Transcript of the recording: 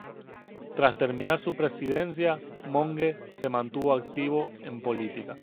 Tras terminar su presidencia Monge se mantuvo activo en política.